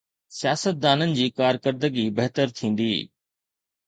سياستدانن جي ڪارڪردگي بهتر ٿيندي.